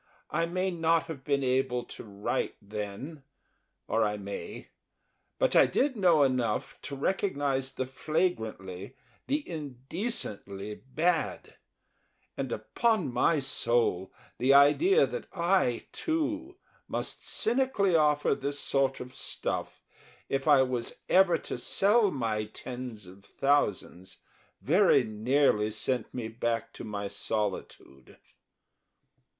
I may not have been able to write then or I may; but I did know enough to recognise the flagrantly, the indecently bad, and, upon my soul, the idea that I, too, must cynically offer this sort of stuff if I was ever to sell my tens of thousands very nearly sent me back to my solitude.